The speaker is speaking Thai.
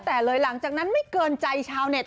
แต่เลยหลังจากนั้นไม่เกินใจชาวเน็ต